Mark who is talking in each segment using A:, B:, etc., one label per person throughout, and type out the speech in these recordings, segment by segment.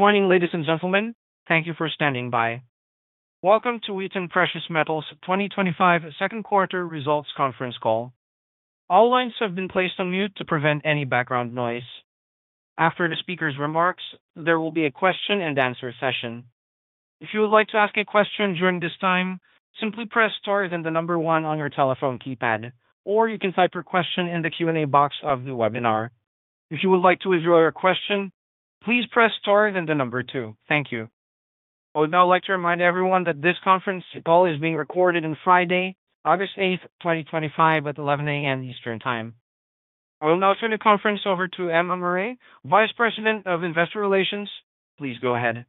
A: Good morning, ladies and gentlemen. Thank you for standing by. Welcome to Wheaton Precious Metals 2025 second quarter results conference call. All lines have been placed on mute to prevent any background noise. After the speaker's remarks, there will be a question and answer session. If you would like to ask a question during this time, simply press star one on your telephone keypad, or you can type your question in the Q&A box of the webinar. If you would like to withdraw your question, please press star two on your keypad. Thank you. I would now like to remind everyone that this conference call is being recorded on Friday, August 8, 2025, at 11:00 A.M. Eastern Time. I will now turn the conference over to Emma Murray, Vice President of Investor Relations. Please go ahead.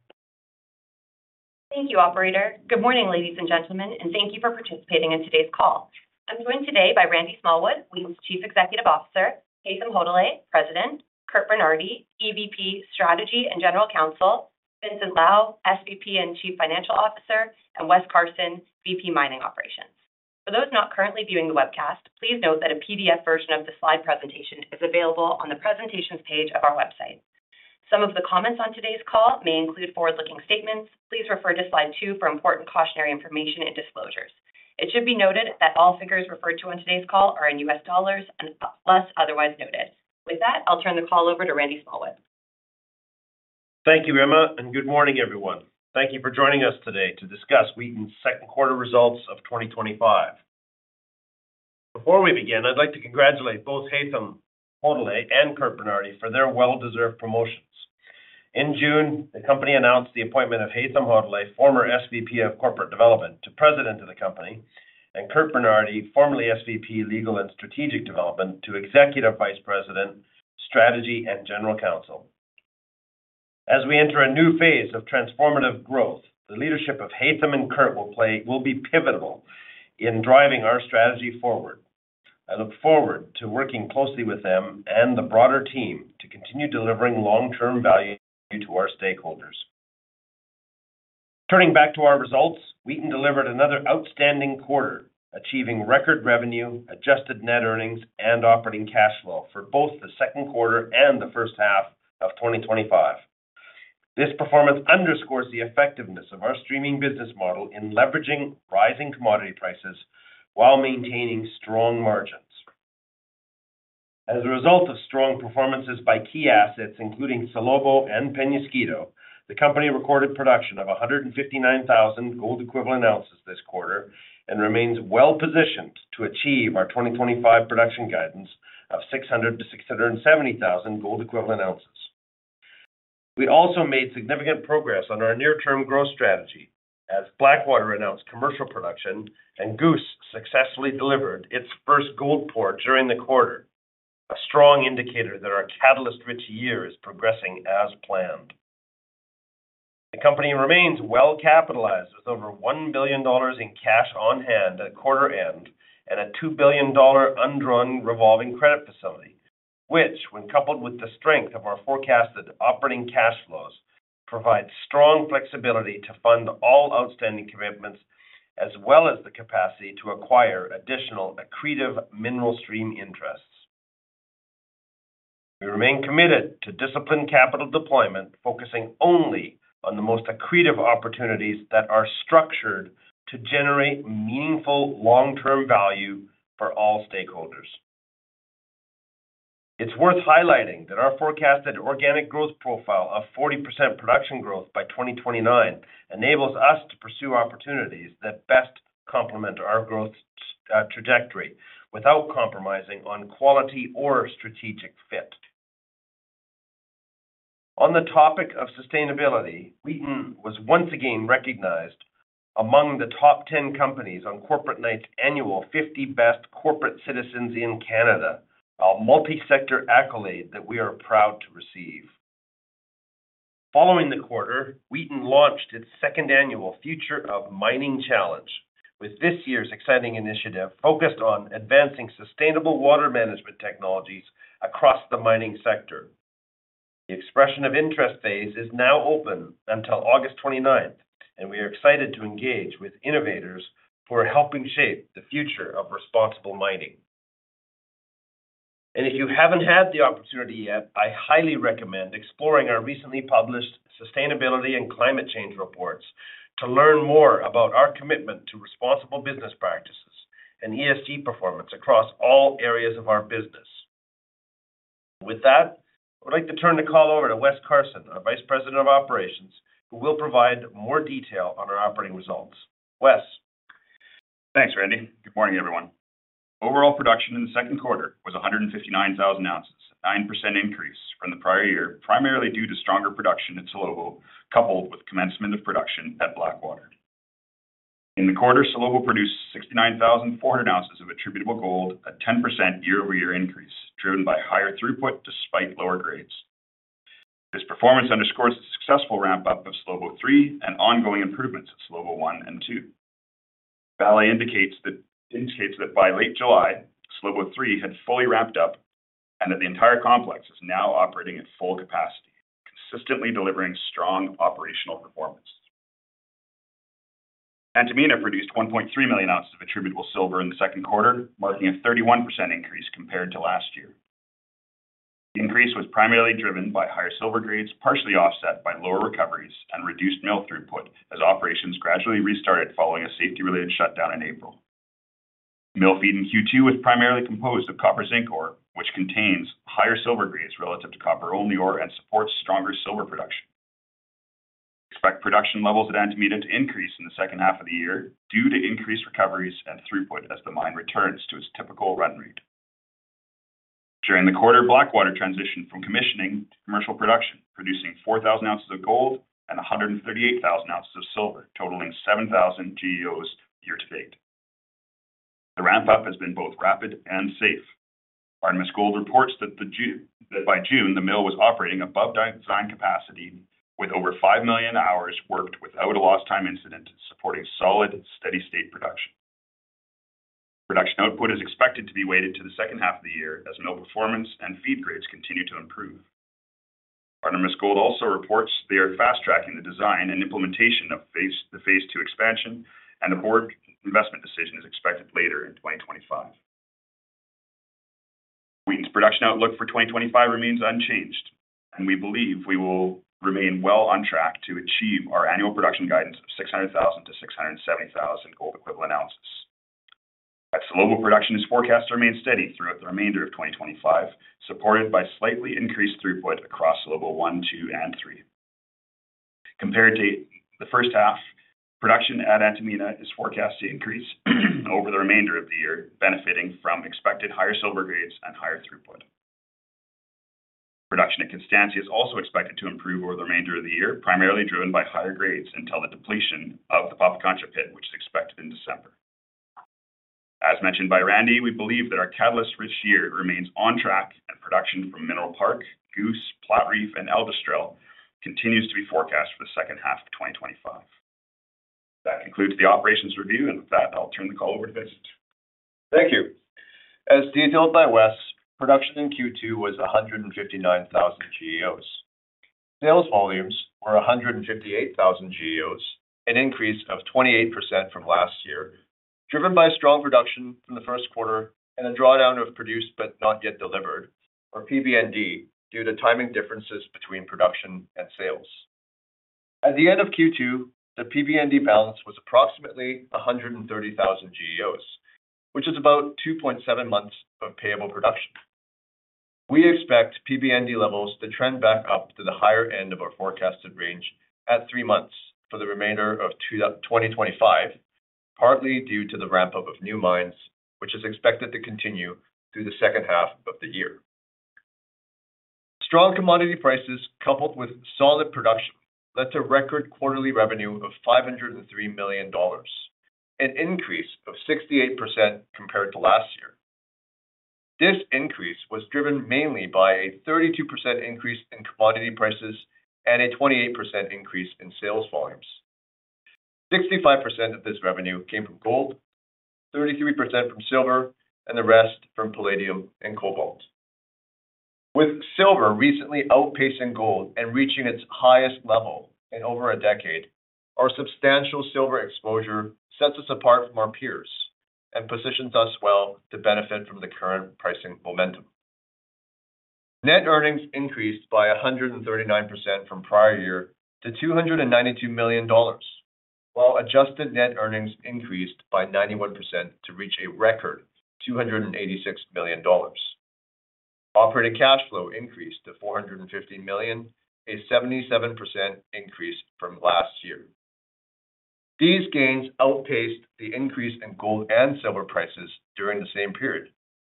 B: Thank you, Operator. Good morning, ladies and gentlemen, and thank you for participating in today's call. I'm joined today by Randy Smallwood, Chief Executive Officer, Haytham Hodaly, President, Curt Bernardi, EVP Strategy and General Counsel, Vincent Lau, SVP and Chief Financial Officer, and Wes Carson, VP Mining Operations. For those not currently viewing the webcast, please note that a PDF version of the slide presentation is available on the presentations page of our website. Some of the comments on today's call may include forward-looking statements. Please refer to slide two for important cautionary information and disclosures. It should be noted that all figures referred to on today's call are in U.S. dollars unless otherwise noted. With that, I'll turn the call over to Randy Smallwood.
C: Thank you, Emma, and good morning, everyone. Thank you for joining us today to discuss Wheaton second quarter results of 2025. Before we begin, I'd like to congratulate both Haytham Hodaly and Curt Bernardi for their well-deserved promotions. In June, the company announced the appointment of Haytham Hodaly, former Senior Vice President of Corporate Development, to President of the company, and Curt Bernardi, formerly Senior Vice President Legal and Strategic Development, to Executive Vice President, Strategy and General Counsel. As we enter a new phase of transformative growth, the leadership of Haytham and Curt will be pivotal in driving our strategy forward. I look forward to working closely with them and the broader team to continue delivering long-term value to our stakeholders. Turning back to our results, delivered another outstanding quarter, achieving record revenue, adjusted net earnings, and operating cash flow for both the second quarter and the first half of 2025. This performance underscores the effectiveness of our streaming business model in leveraging rising commodity prices while maintaining strong margins. As a result of strong performances by key assets, including Salobo and Peñasquito, the company recorded production of 159,000 gold-equivalent ounces this quarter and remains well positioned to achieve our 2025 production guidance of 600,000-670,000 gold-equivalent ounces. We also made significant progress on our near-term growth strategy, as Blackwater announced commercial production and Goose successfully delivered its first gold pour during the quarter, a strong indicator that our catalyst risk year is progressing as planned. The company remains well capitalized with over $1 billion in cash on hand at quarter end and a $2 billion undrawn revolving credit facility, which, when coupled with the strength of our forecasted operating cash flows, provides strong flexibility to fund all outstanding commitments, as well as the capacity to acquire additional accretive mineral stream interests. We remain committed to disciplined capital deployment, focusing only on the most accretive opportunities that are structured to generate meaningful long-term value for all stakeholders. It's worth highlighting that our forecasted organic growth profile of 40% production growth by 2029 enables us to pursue opportunities that best complement our growth trajectory without compromising on quality or strategic fit. On the topic of sustainability, Wheaton was once again recognized among the top 10 companies on Corporate Knights' annual 50 Best Corporate Citizens in Canada, a multi-sector accolade that we are proud to receive. Following the quarter, Wheaton launched its second annual Future of Mining Challenge, with this year's exciting initiative focused on advancing sustainable water management technologies across the mining sector. The expression of interest phase is now open until August 29th, and we are excited to engage with innovators who are helping shape the future of responsible mining. If you haven't had the opportunity yet, I highly recommend exploring our recently published sustainability and climate change reports to learn more about our commitment to responsible business practices and ESG performance across all areas of our business. With that, I would like to turn the call over to Wes Carson, our Vice President of Mining Operations, who will provide more detail on our operating results. Wes.
D: Thanks, Randy. Good morning, everyone. Overall production in the second quarter was 159,000 ounces, a 9% increase from the prior year, primarily due to stronger production at Salobo, coupled with commencement of production at Blackwater. In the quarter, Salobo produced 69,400 ounces of attributable gold, a 10% year-over-year increase driven by higher throughput despite lower grades. This performance underscores the successful ramp-up of Salobo three and ongoing improvements of Salobo one and two. The value indicates that by late July, Salobo three had fully ramped up and that the entire complex is now operating at full capacity, consistently delivering strong operational performance. Antamina produced 1.3 million ounces of attributable silver in the second quarter, marking a 31% increase compared to last year. The increase was primarily driven by higher silver grades, partially offset by lower recoveries and reduced mill throughput as operations gradually restarted following a safety-related shutdown in April. Mill feed in Q2 was primarily composed of copper-zinc ore, which contains higher silver grades relative to copper-only ore and supports stronger silver production. Expect production levels at Antamina to increase in the second half of the year due to increased recoveries and throughput as the mine returns to its typical run rate. During the quarter, Blackwater transitioned from commissioning to commercial production, producing 4,000 ounces of gold and 138,000 ounces of silver, totaling 7,000 gold-equivalent ounces year to date. The ramp-up has been both rapid and safe. Artemis Gold reports that by June, the mill was operating above design capacity with over 5 million hours worked without a lost time incident, supporting solid, steady-state production. Production output is expected to be weighted to the second half of the year as mill performance and feed grades continue to improve. Artemis Gold also reports they are fast-tracking the design and implementation of phase two expansion, and a board investment decision is expected later in 2025. Wheaton production outlook for 2025 remains unchanged, and we believe we will remain well on track to achieve our annual production guidance of 600,000-670,000 gold-equivalent ounces. At Salobo, production is forecast to remain steady throughout the remainder of 2025, supported by slightly increased throughput across Salobo one, two, and three. Compared to the first half, production at Antamina is forecast to increase over the remainder of the year, benefiting from expected higher silver grades and higher throughput. Production at Constancia is also expected to improve over the remainder of the year, primarily driven by higher grades until the depletion of the Pampacancha pit, which is expected in December. As mentioned by Randy, we believe that our catalyst risk year remains on track, and production from Mineral Park, Goose, Kone, and Platreef continues to be forecast for the second half of 2025. That concludes the operations review, and with that, I'll turn the call over to Vincent.
E: Thank you. As detailed by Wes, production in Q2 was 159,000 GEOs. Sales volumes were 158,000 GEOs, an increase of 28% from last year, driven by strong production in the first quarter and a drawdown of produced but not yet delivered, or PBND, due to timing differences between production and sales. At the end of Q2, the PBND balance was approximately 130,000 GEOs, which is about 2.7 months of payable production. We expect PBND levels to trend back up to the higher end of our forecasted range at three months for the remainder of 2025, partly due to the ramp-up of new mines, which is expected to continue through the second half of the year. Strong commodity prices, coupled with solid production, led to record quarterly revenue of $503 million, an increase of 68% compared to last year. This increase was driven mainly by a 32% increase in commodity prices and a 28% increase in sales volumes. 65% of this revenue came from gold, 33% from silver, and the rest from palladium and cobalt. With silver recently outpacing gold and reaching its highest level in over a decade, our substantial silver exposure sets us apart from our peers and positions us well to benefit from the current pricing momentum. Net earnings increased by 139% from prior year to $292 million, while adjusted net earnings increased by 91% to reach a record $286 million. Operating cash flow increased to $450 million, a 77% increase from last year. These gains outpaced the increase in gold and silver prices during the same period,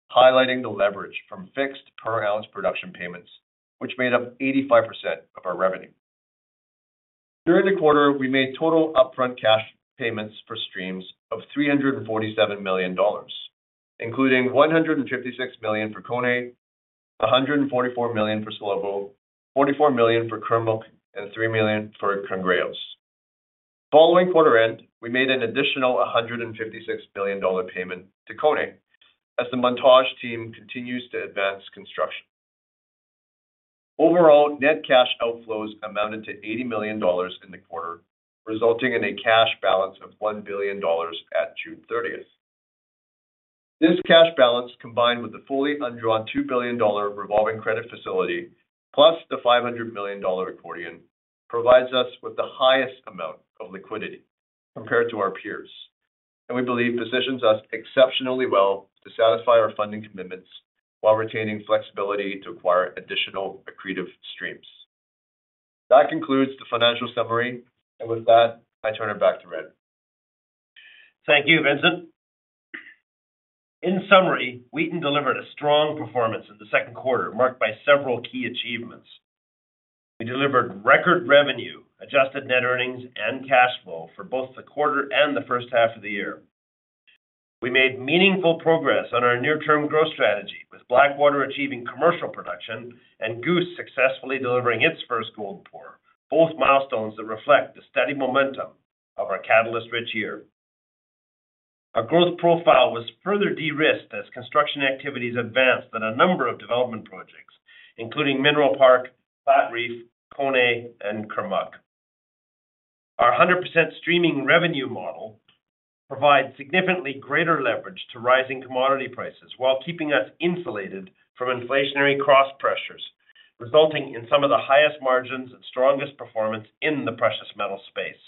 E: highlighting the leverage from fixed per ounce production payments, which made up 85% of our revenue. During the quarter, we made total upfront cash payments for streams of $347 million, including $156 million for Kone, $144 million for Salobo, $44 million for Kermit, and $3 million for Congrejos. Following quarter end, we made an additional $156 million payment to Kone, as the Montage team continues to advance construction. Overall, net cash outflows amounted to $80 million in the quarter, resulting in a cash balance of $1 billion at June 30th. This cash balance, combined with the fully undrawn $2 billion revolving credit facility, plus the $500 million accordion, provides us with the highest amount of liquidity compared to our peers, and we believe positions us exceptionally well to satisfy our funding commitments while retaining flexibility to acquire additional accretive streams. That concludes the financial summary, and with that, I turn it back to Randy.
C: Thank you, Vincent. In summary, Wheaton delivered a strong performance in the second quarter, marked by several key achievements. We delivered record revenue, adjusted net earnings, and cash flow for both the quarter and the first half of the year. We made meaningful progress on our near-term growth strategy, with Blackwater achieving commercial production and Goose successfully delivering its first gold pour, both milestones that reflect the steady momentum of our catalyst risk year. Our growth profile was further de-risked as construction activities advanced on a number of development projects, including Mineral Park, Platreef, Kone, and Kermit. Our 100% streaming revenue model provides significantly greater leverage to rising commodity prices while keeping us insulated from inflationary cross pressures, resulting in some of the highest margins and strongest performance in the precious metals space.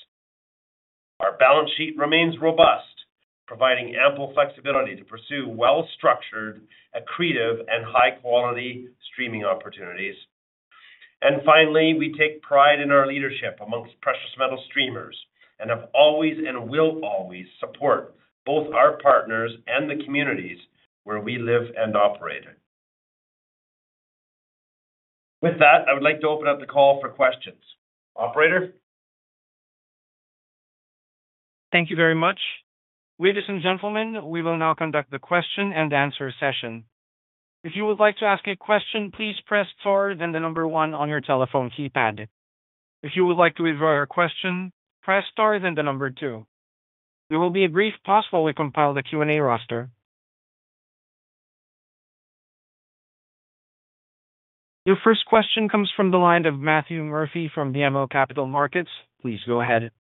C: Our balance sheet remains robust, providing ample flexibility to pursue well-structured, accretive, and high-quality streaming opportunities. We take pride in our leadership amongst precious metals streamers and have always and will always support both our partners and the communities where we live and operate. With that, I would like to open up the call for questions. Operator?
A: Thank you very much. Ladies and gentlemen, we will now conduct the question and answer session. If you would like to ask a question, please press star one on your telephone keypad. If you would like to withdraw your question, press star two. There will be a brief pause while we compile the Q&A roster. Your first question comes from the line of Matt Murphy from BMO Capital Markets. Please go ahead.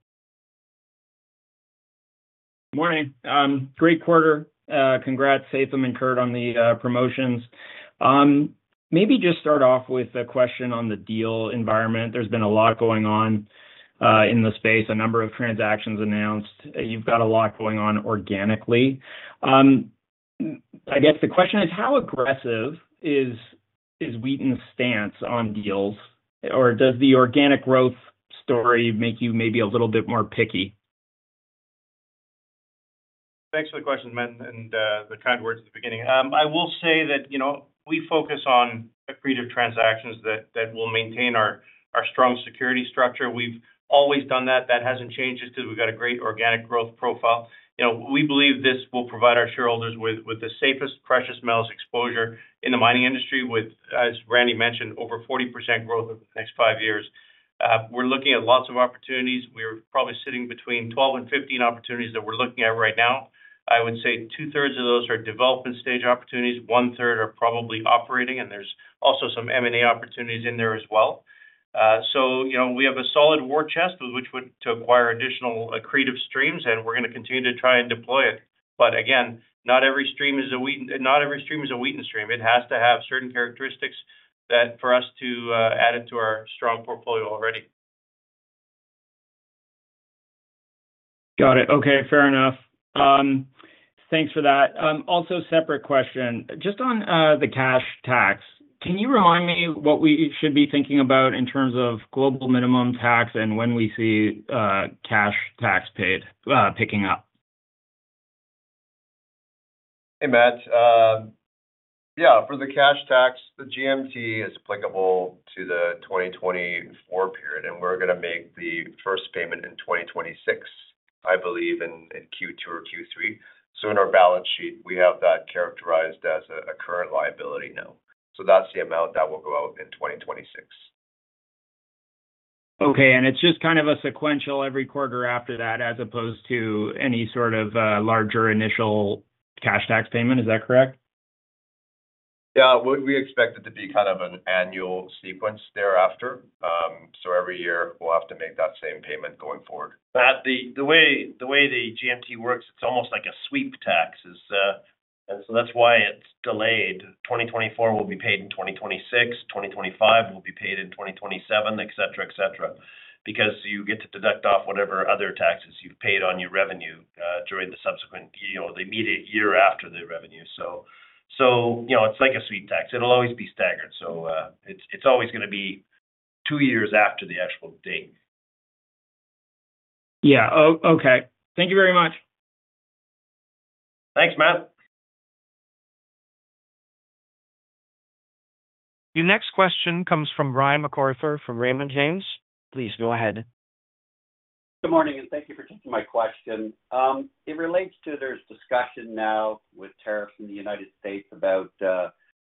F: Morning. Great quarter. Congrats, Haytham and Curt, on the promotions. Maybe just start off with a question on the deal environment. There's been a lot going on in the space, a number of transactions announced. You've got a lot going on organically. I guess the question is, how aggressive is Wheaton's stance on deals, or does the organic growth story make you maybe a little bit more picky?
G: Thanks for the question, and the kind words at the beginning. I will say that, you know, we focus on accretive transactions that will maintain our strong security structure. We've always done that. That hasn't changed because we've got a great organic growth profile. We believe this will provide our shareholders with the safest precious metals exposure in the mining industry, with, as Randy mentioned, over 40% growth over the next five years. We're looking at lots of opportunities. We're probably sitting between 12 and 15 opportunities that we're looking at right now. I would say two-thirds of those are development stage opportunities. One-third are probably operating, and there's also some M&A opportunities in there as well. We have a solid war chest to acquire additional accretive streams, and we're going to continue to try and deploy it. Again, not every stream is a Wheaton stream. It has to have certain characteristics for us to add it to our strong portfolio already.
F: Got it. Okay, fair enough. Thanks for that. Also, separate question, just on the cash tax, can you remind me what we should be thinking about in terms of global minimum tax and when we see cash tax paid picking up?
E: Hey, Matt. Yeah, for the cash tax, the GMT is applicable to the 2024 period, and we're going to make the first payment in 2026, I believe, in Q2 or Q3. In our balance sheet, we have that characterized as a current liability now. That's the amount that will go out in 2026.
F: Okay, it's just kind of a sequential every quarter after that, as opposed to any sort of larger initial cash tax payment. Is that correct?
E: We expect it to be kind of an annual sequence thereafter. Every year, we'll have to make that same payment going forward.
G: The way the GMT works, it's almost like a sweep tax, and that's why it's delayed. 2024 will be paid in 2026, 2025 will be paid in 2027, etc., because you get to deduct off whatever other taxes you've paid on your revenue during the immediate year after the revenue. It's like a sweep tax. It'll always be staggered, so it's always going to be two years after the actual date.
F: Yeah, okay. Thank you very much.
C: Thanks, Matt.
A: Your next question comes from Brian MacArthur from Raymond James. Please go ahead.
H: Good morning, and thank you for taking my question. It relates to there's discussion now with tariffs in the United States about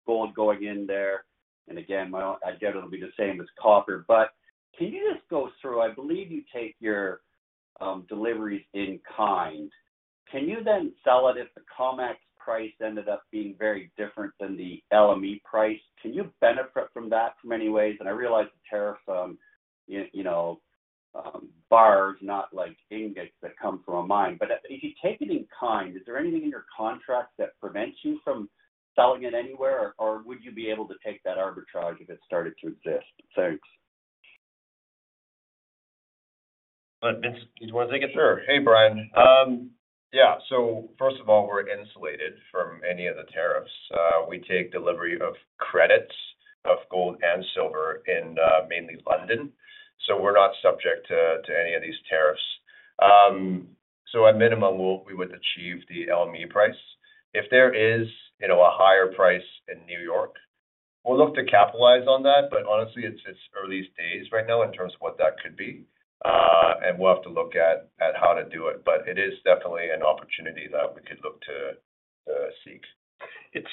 H: gold going in there. I doubt it'll be the same as copper, but can you just go through, I believe you take your deliveries in kind. Can you then sell it if the COMEX price ended up being very different than the LME price? Can you benefit from that in any ways? I realize the tariff, you know, bars, not like index that come from a mine, but if you take it in kind, is there anything in your contract that prevents you from selling it anywhere, or would you be able to take that arbitrage if it started to exist? Thanks.
C: Vincent, you want to take it?
E: Sure. Hey, Brian. Yeah, first of all, we're insulated from any of the tariffs. We take delivery of credits of gold and silver in mainly London. We're not subject to any of these tariffs. At minimum, we would achieve the LME price. If there is a higher price in New York, we'll look to capitalize on that. Honestly, it's early days right now in terms of what that could be. We'll have to look at how to do it. It is definitely an opportunity that we could look to seek.
C: It's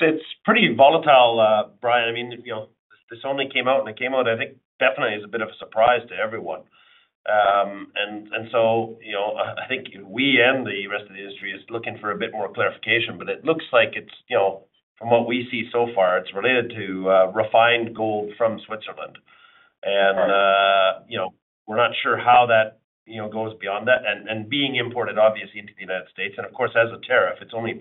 C: pretty volatile, Brian. I mean, you know, this only came out, and it came out, I think, definitely as a bit of a surprise to everyone. I think we and the rest of the industry are looking for a bit more clarification, but it looks like it's, you know, from what we see so far, it's related to refined gold from Switzerland. We're not sure how that goes beyond that and being imported, obviously, into the United States. Of course, as a tariff, it's only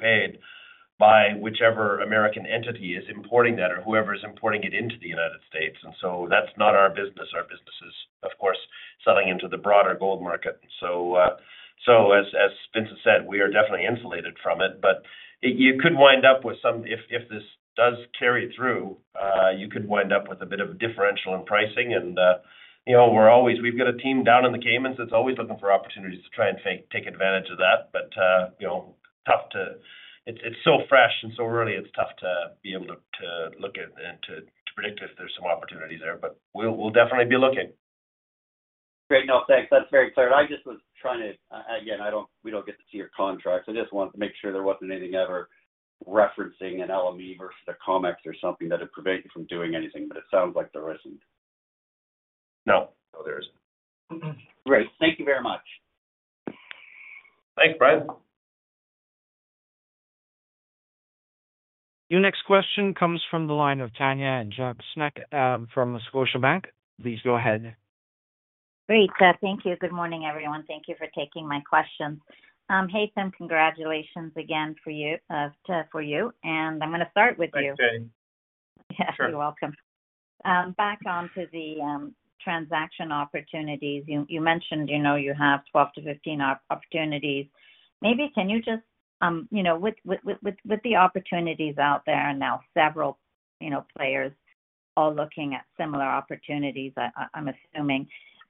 C: paid by whichever American entity is importing that or whoever is importing it into the United States. That's not our business. Our business is, of course, selling into the broader gold market. As Vincent said, we are definitely insulated from it. You could wind up with some, if this does carry through, you could wind up with a bit of a differential in pricing. We've got a team down in the Caymans that's always looking for opportunities to try and take advantage of that. It's so fresh and so early, it's tough to be able to look at and to predict if there's some opportunity there. We'll definitely be looking.
H: Great. No, thanks. That's very clear. I just was trying to, again, we don't get to see your contracts. I just wanted to make sure there wasn't anything ever referencing an LME versus a COMEX or something that would prevent you from doing anything. It sounds like there isn't.
C: No, no, there isn't.
H: Great. Thank you very much.
C: Thanks, Brian.
A: Your next question comes from the line of Tanya Jakusconek from Scotiabank. Please go ahead.
I: Great. Thank you. Good morning, everyone. Thank you for taking my question. Haytham, congratulations again for you. I'm going to start with you.
D: Thanks, Tanya.
I: Yes, you're welcome. Back onto the transaction opportunities, you mentioned you have 12-15 opportunities. Maybe can you just, with the opportunities out there and now several players all looking at similar opportunities, I'm assuming,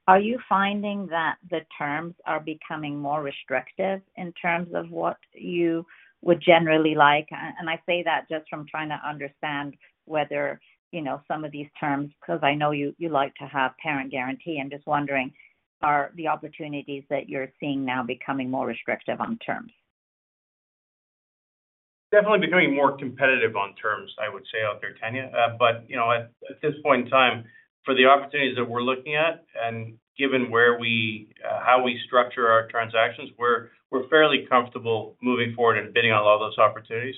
I: are you finding that the terms are becoming more restrictive in terms of what you would generally like? I say that just from trying to understand whether some of these terms, because I know you like to have parent guarantee. I'm just wondering, are the opportunities that you're seeing now becoming more restrictive on terms?
G: Definitely becoming more competitive on terms, I would say out there, Tanya. At this point in time, for the opportunities that we're looking at, and given where we, how we structure our transactions, we're fairly comfortable moving forward and bidding on all those opportunities.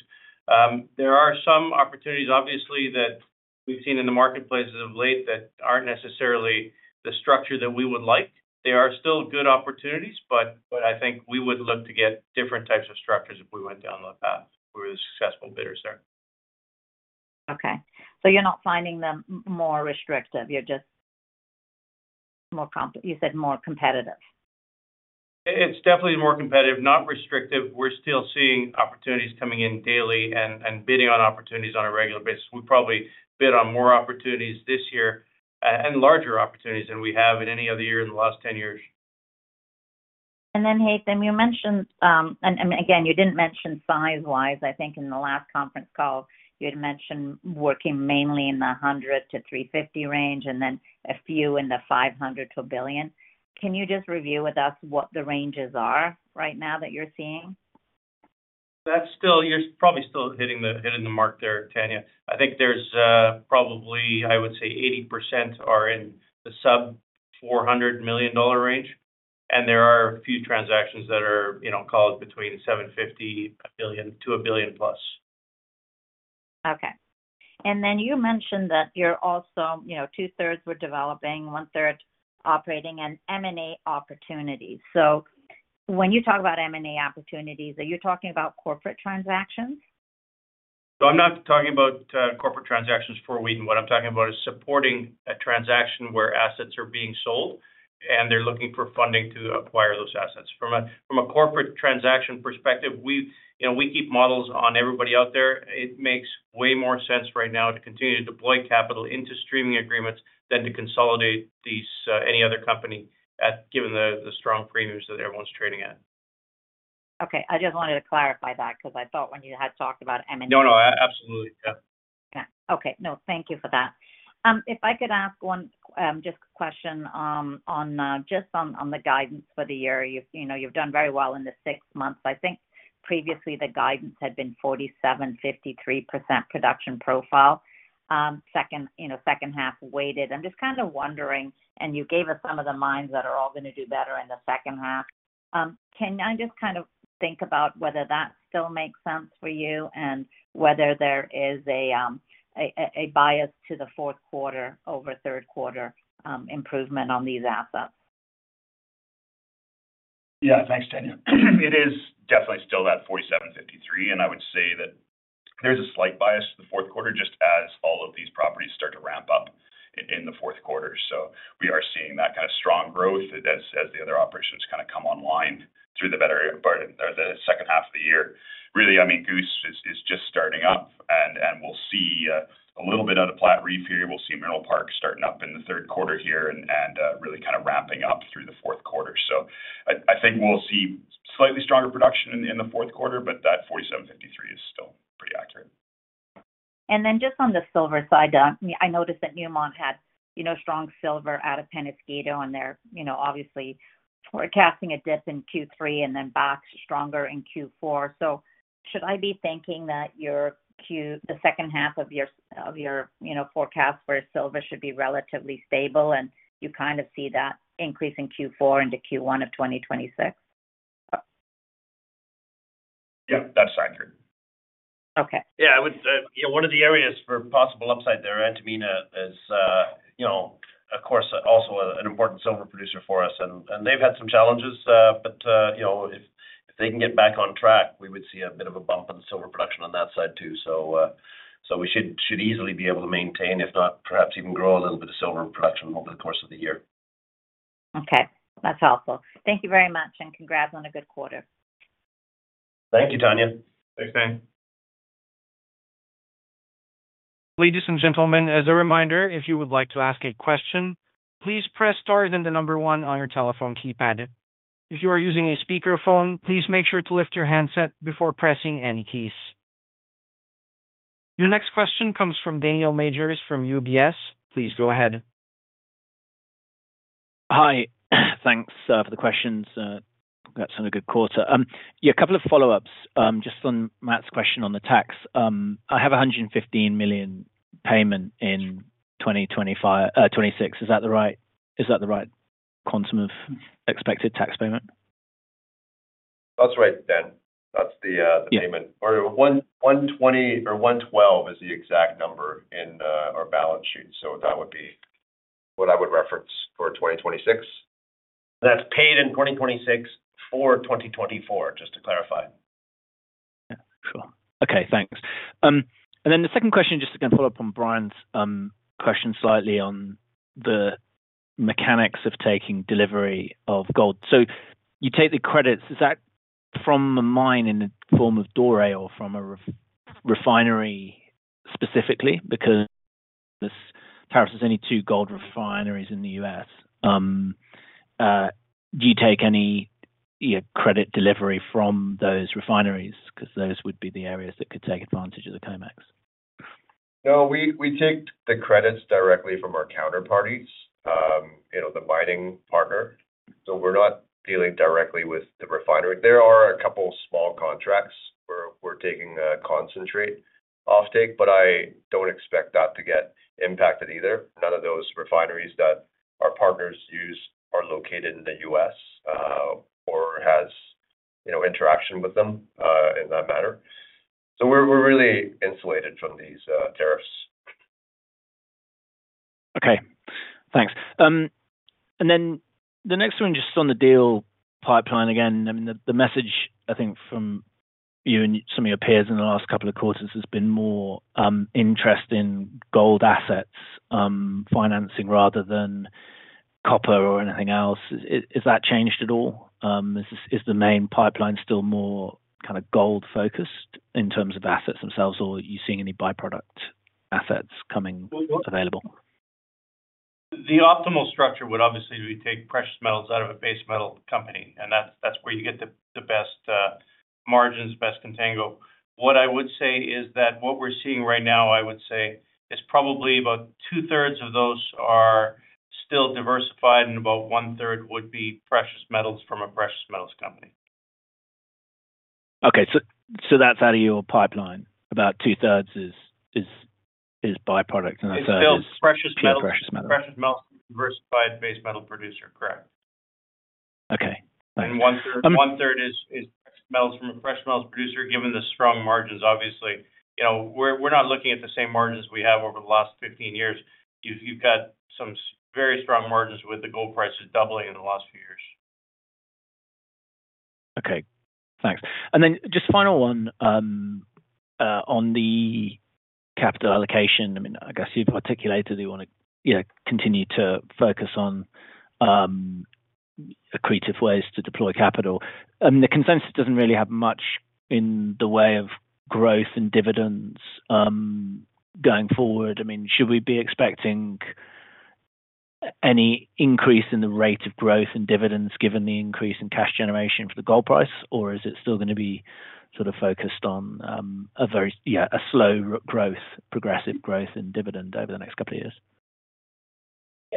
G: There are some opportunities, obviously, that we've seen in the marketplace as of late that aren't necessarily the structure that we would like. There are still good opportunities, but I think we would look to get different types of structures if we went down the path. We're the successful bidders there.
I: Okay. You're not finding them more restrictive, just more complex. You said more competitive.
G: It's definitely more competitive, not restrictive. We're still seeing opportunities coming in daily and bidding on opportunities on a regular basis. We probably bid on more opportunities this year and larger opportunities than we have in any other year in the last 10 years.
I: Haytham, you mentioned, and again, you didn't mention size-wise. I think in the last conference call, you had mentioned working mainly in the $100 million to $350 million range and then a few in the $500 million to $1 billion. Can you just review with us what the ranges are right now that you're seeing?
G: That's still, you're probably still hitting the mark there, Tanya. I think there's probably, I would say, 80% are in the sub $400 million range. There are a few transactions that are, you know, called between $750 million to $1 billion+.
I: Okay. You mentioned that you're also, you know, two-thirds were developing, one-third operating, and M&A opportunities. When you talk about M&A opportunities, are you talking about corporate transactions?
G: I'm not talking about corporate transactions for Wheaton. What I'm talking about is supporting a transaction where assets are being sold, and they're looking for funding to acquire those assets. From a corporate transaction perspective, we keep models on everybody out there. It makes way more sense right now to continue to deploy capital into streaming agreements than to consolidate any other company, given the strong premiums that everyone's trading in.
I: Okay, I just wanted to clarify that because I thought when you had talked about M&A.
G: No, absolutely.
I: Okay. No, thank you for that. If I could ask one question just on the guidance for the year. You've done very well in the six months. I think previously the guidance had been 47%, 53% production profile, second half weighted. I'm just kind of wondering, and you gave us some of the mines that are all going to do better in the second half. Can I just kind of think about whether that still makes sense for you and whether there is a bias to the fourth quarter over third quarter improvement on these assets?
D: Yeah, thanks, Tanya. It is definitely still that 47.53, and I would say that there's a slight bias to the fourth quarter, just as all of these properties start to ramp up in the fourth quarter. We are seeing that kind of strong growth as the other operations come online through the better part of the second half of the year. Really, Goose is just starting up, and we'll see a little bit of the Plotreef here. We'll see Mineral Park starting up in the third quarter here and really ramping up through the fourth quarter. I think we'll see slightly stronger production in the fourth quarter, but that 47.53 is still pretty accurate.
I: On the silver side, I noticed that Newmont had strong silver out of Peñasquito, obviously forecasting a dip in Q3 and then back stronger in Q4. Should I be thinking that the second half of your forecast for silver should be relatively stable and you kind of see that increase in Q4 into Q1 of 2026?
D: Yeah, that's fine here.
I: Okay.
C: I would, you know, one of the areas for possible upside there, Antamina, is, you know, of course, also an important silver producer for us. They've had some challenges, but if they can get back on track, we would see a bit of a bump in silver production on that side too. We should easily be able to maintain, if not perhaps even grow a little bit of silver in production over the course of the year.
I: Okay, that's helpful. Thank you very much and congrats on a good quarter.
C: Thank you, Tanya.
A: Ladies and gentlemen, as a reminder, if you would like to ask a question, please press star one on your telephone keypad. If you are using a speakerphone, please make sure to lift your handset before pressing any keys. Your next question comes from Daniel Major from UBS. Please go ahead.
J: Hi. Thanks for the questions. We've got some of the good quarter. Yeah, a couple of follow-ups. Just on Matt's question on the tax, I have a $115 million payment in 2025. Is that the right quantum of expected tax payment?
E: That's right, Dan. That's the payment. $120 million or $112 million is the exact number in our balance sheet. That would be what I would reference for 2026.
C: That's paid in 2026 for 2024, just to clarify.
J: Yeah, sure. Okay, thanks. The second question, just to kind of follow up on Brian's question slightly on the mechanics of taking delivery of gold. You take the credits. Is that from a mine in the form of doré or from a refinery specifically? Because Paris has only two gold refineries in the U.S. Do you take any credit delivery from those refineries? Those would be the areas that could take advantage of the COMEX.
E: No, we take the credits directly from our counterparties, you know, the mining partner. We're not dealing directly with the refinery. There are a couple of small contracts where we're taking a concentrate offtake, but I don't expect that to get impacted either. None of those refineries that our partners use are located in the U.S. or has, you know, interaction with them in that matter. We're really insulated from these tariffs.
J: Okay, thanks. The next one just on the deal pipeline again. I mean, the message, I think, from you and some of your peers in the last couple of quarters has been more interest in gold assets financing rather than copper or anything else. Has that changed at all? Is the main pipeline still more kind of gold-focused in terms of assets themselves, or are you seeing any byproduct assets coming available?
G: The optimal structure would obviously be to take precious metals out of a base metal company, and that's where you get the best margins, best contango. What I would say is that what we're seeing right now is probably about two-thirds of those are still diversified, and about one-third would be precious metals from a precious metals company.
J: Okay, that's out of your pipeline. About two-thirds is byproduct, and that's out of your pipeline.
G: It's still precious metals.
J: It's precious metals.
G: Precious metals from a diversified base metal producer, correct.
J: Okay, thanks.
G: One-third is precious metals from a precious metals producer, given the strong margins. Obviously, you know, we're not looking at the same margins we have over the last 15 years. You've got some very strong margins with the gold prices doubling in the last few years.
J: Okay, thanks. Just final one on the capital allocation. I guess you've articulated that you want to continue to focus on accretive ways to deploy capital. The consensus doesn't really have much in the way of growth in dividends going forward. Should we be expecting any increase in the rate of growth in dividends given the increase in cash generation for the gold price, or is it still going to be sort of focused on a very, yeah, a slow growth, progressive growth in dividend over the next couple of years?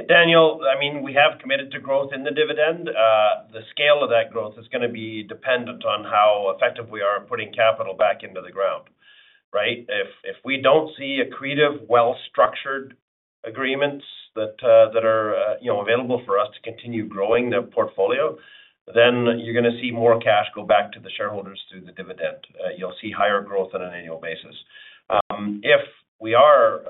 C: Daniel, I mean, we have committed to growth in the dividend. The scale of that growth is going to be dependent on how effective we are at putting capital back into the ground, right? If we don't see accretive, well-structured agreements that are available for us to continue growing the portfolio, then you're going to see more cash go back to the shareholders through the dividend. You'll see higher growth on an annual basis if we are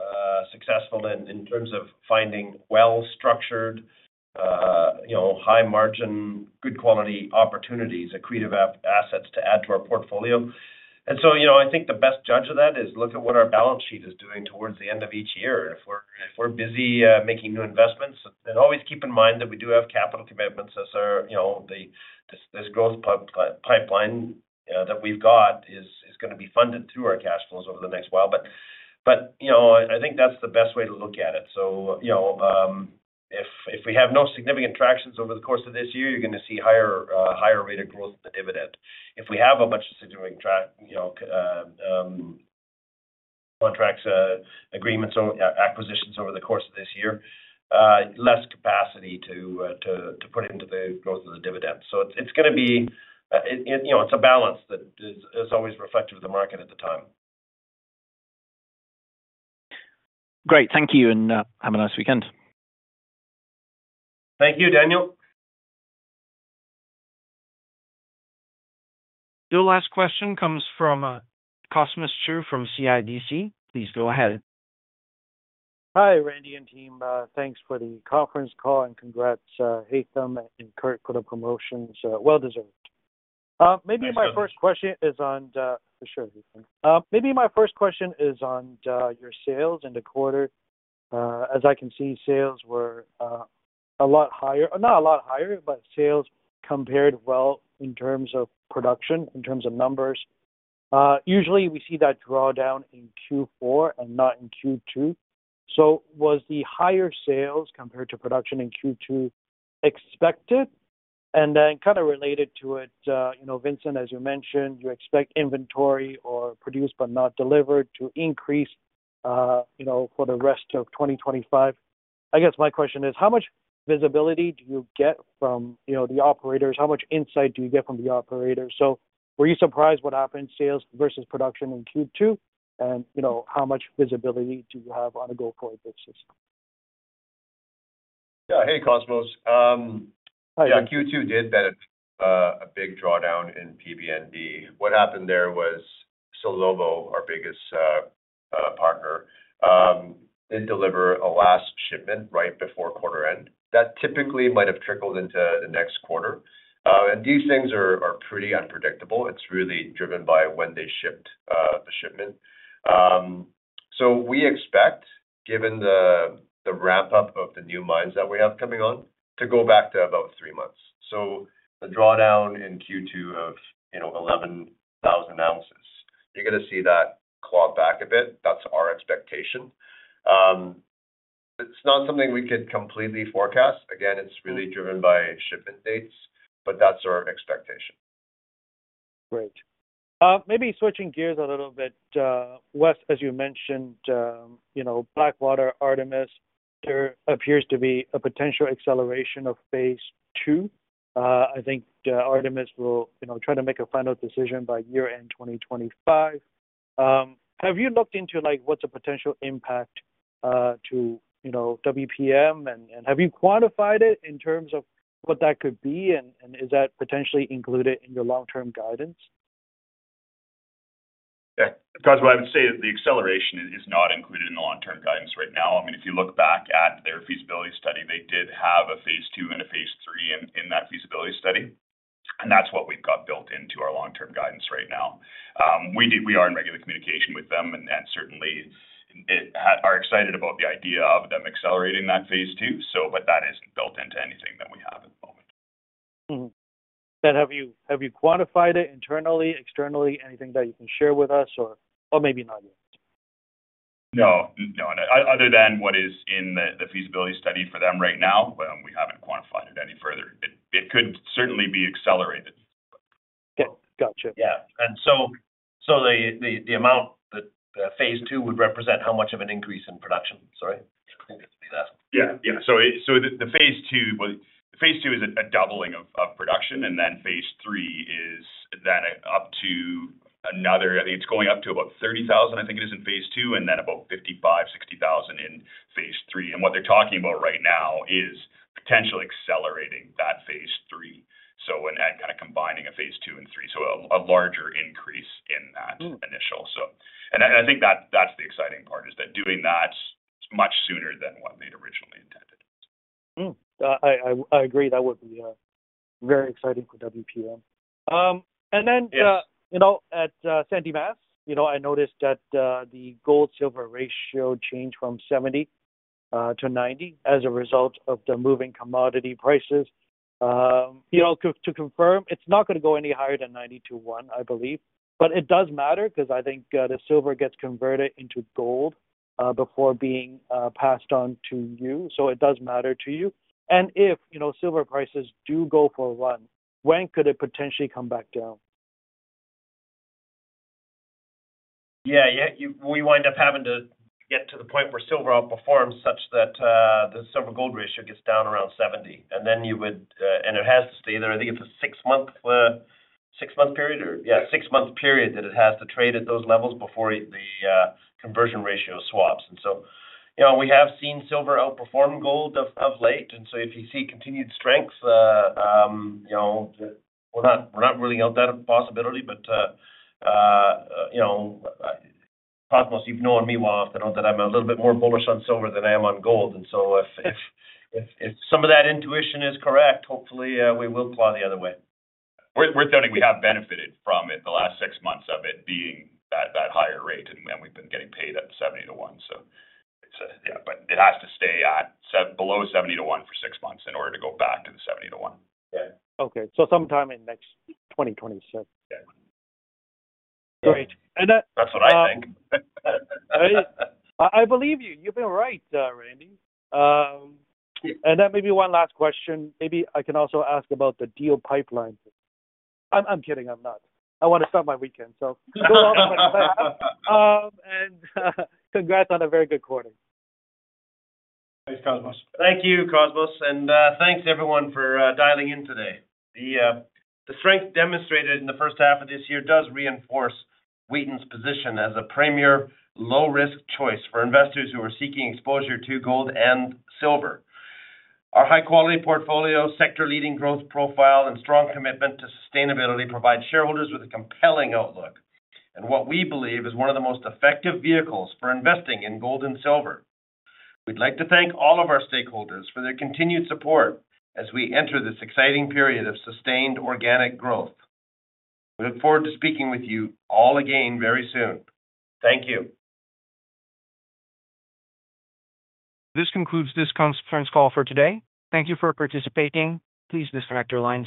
C: successful in terms of finding well-structured, high margin, good quality opportunities, accretive assets to add to our portfolio. I think the best judge of that is look at what our balance sheet is doing towards the end of each year. If we're busy making new investments, and always keep in mind that we do have capital commitments as our growth pipeline that we've got is going to be funded through our cash flows over the next while. I think that's the best way to look at it. If we have no significant tractions over the course of this year, you're going to see a higher rate of growth in the dividend. If we have a bunch of significant contracts, agreements, or acquisitions over the course of this year, less capacity to put into the growth of the dividend. It's a balance that is always reflective of the market at the time.
J: Great. Thank you, and have a nice weekend.
C: Thank you, Daniel.
A: Your last question comes from Cosmos Chiu from CIBC. Please go ahead.
K: Hi, Randy and team. Thanks for the conference call and congrats, Haytham and Curt for the promotions. Well deserved. Maybe my first question is on your sales in the quarter. As I can see, sales were a lot higher, or not a lot higher, but sales compared well in terms of production, in terms of numbers. Usually, we see that drawdown in Q4 and not in Q2. Was the higher sales compared to production in Q2 expected? Kind of related to it, Vincent, as you mentioned, you expect inventory or produced but not delivered to increase for the rest of 2025. I guess my question is, how much visibility do you get from the operators? How much insight do you get from the operators? Were you surprised what happened, sales versus production in Q2? How much visibility do you have on a go-forward basis?
E: Yeah, hey, Cosmos. Q2 did benefit from a big drawdown in PBND. What happened there was Salobo, our biggest partner, didn't deliver a last shipment right before quarter end. That typically might have trickled into the next quarter. These things are pretty unpredictable. It's really driven by when they shipped the shipment. We expect, given the ramp-up of the new mines that we have coming on, to go back to about three months. The drawdown in Q2 of, you know, 11,000 ounces, you're going to see that claw back a bit. That's our expectation. It's not something we could completely forecast. Again, it's really driven by shipment dates, but that's our expectation.
K: Great. Maybe switching gears a little bit, Wes, as you mentioned, you know, Blackwater, Artemis, there appears to be a potential acceleration of phase two. I think Artemis will, you know, try to make a final decision by year-end 2025. Have you looked into like what's the potential impact to, you know, Wheaton, and have you quantified it in terms of what that could be, and is that potentially included in your long-term guidance?
D: That's what I would say. The acceleration is not included in the long-term guidance right now. I mean, if you look back at their feasibility study, they did have a phase two and a phase three in that feasibility study. That's what we've got built into our long-term guidance right now. We are in regular communication with them and certainly are excited about the idea of them accelerating that phase two, but that is built into anything that we have at the moment.
K: Have you quantified it internally or externally, anything that you can share with us, or maybe not yet?
D: Other than what is in the feasibility study for them right now, we haven't quantified it any further. It could certainly be accelerated.
K: Gotcha.
D: Yeah, the amount that phase two would represent, how much of an increase in production, sorry? It would be that. The phase two is a doubling of production, and then phase three is then up to another, I think it's going up to about 30,000, I think it is in phase two, and then about 55,000-60,000 in phase three. What they're talking about right now is potentially accelerating that phase three and kind of combining a phase two and three, so a larger increase in that initial. I think that's the exciting part, doing that much sooner than what they'd originally intended.
K: I agree. That would be very exciting for Wheaton at San Dimas, I noticed that the gold-silver ratio changed from 70-90 as a result of the moving commodity prices. To confirm, it's not going to go any higher than 90:1, I believe. It does matter because I think the silver gets converted into gold before being passed on to you, so it does matter to you. If silver prices do go for 1, when could it potentially come back down?
C: Yeah, we wind up having to get to the point where silver outperforms such that the silver-gold ratio gets down around 70, and then it has to stay there. I think it's a six-month period that it has to trade at those levels before the conversion ratio swaps. We have seen silver outperform gold of late. If you see continued strength, we're not ruling out that possibility. Cosmos, you've known me well enough to know that I'm a little bit more bullish on silver than I am on gold. If some of that intuition is correct, hopefully we will plow the other way. We're telling you we have benefited from it the last six months of it being that higher rate, and we've been getting paid at 70-1. It has to stay at below 70-1 for six months in order to go back to the 70-1.
K: Okay, sometime in 2027.
C: Yeah.
K: Great. That.
C: That's what I think.
K: I believe you. You've been right, Randy. Maybe one last question. Maybe I can also ask about the deal pipeline. I'm kidding. I'm not. I want to start my weekend. Those are all the questions I have. Congrats on a very good quarter.
C: Thanks, Cosmos. Thank you, Cosmos. And thanks, everyone, for dialing in today. The strength demonstrated in the first half of this year does reinforce Wheaton position as a premier low-risk choice for investors who are seeking exposure to gold and silver. Our high-quality portfolio, sector-leading organic growth profile, and strong commitment to sustainability provide shareholders with a compelling outlook. What we believe is one of the most effective vehicles for investing in gold and silver. We'd like to thank all of our stakeholders for their continued support as we enter this exciting period of sustained organic growth. We look forward to speaking with you all again very soon. Thank you.
A: This concludes this conference call for today. Thank you for participating. Please disconnect your lines.